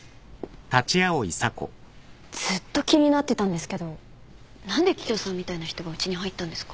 ずっと気になってたんですけど何で桔梗さんみたいな人がうちに入ったんですか？